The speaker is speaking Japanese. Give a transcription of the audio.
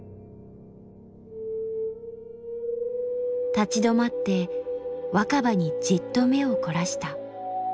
立ち止まって若葉にじっと目を凝らした。